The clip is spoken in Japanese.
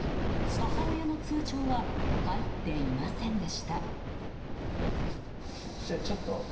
母親の通帳は入っていませんでした。